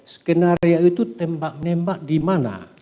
skenario itu tembak nembak di mana